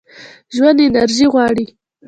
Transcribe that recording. ژوند انرژي غواړي.